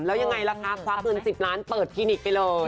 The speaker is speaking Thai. แล้วยังไงล่ะคะควักเงิน๑๐ล้านเปิดคลินิกไปเลย